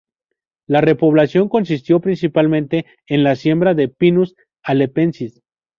La repoblación consistió principalmente en la siembra de "Pinus halepensis".